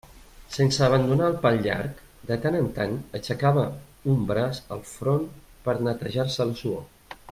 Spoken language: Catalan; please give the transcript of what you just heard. Sense abandonar el pal llarg, de tant en tant aixecava un braç al front per a netejar-se la suor.